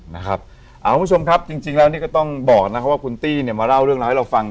คุณผู้ชมครับจริงแล้วนี่ก็ต้องบอกนะครับว่าคุณตี้มาเล่าเรื่องราวให้เราฟัง